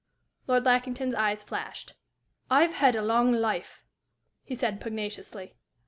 Lord Lackington's eyes flashed. "I've had a long life," he said, pugnaciously.